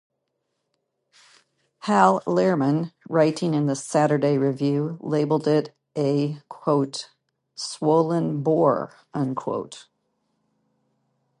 Hal Lehrman, writing in the "Saturday Review", labelled it "a swollen bore".